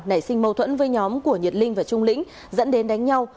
nảy sinh mâu thuẫn với nhóm của nhật linh và trung lĩnh dẫn đến đánh nhau